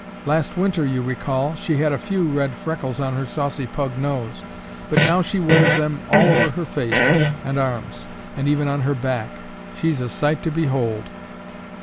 Last winter, you recall, she had a few red freckles on her saucy pug nose, but now she wears them all over her face and arms and even on her back. She's a sight to behold!"